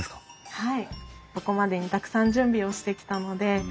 はい。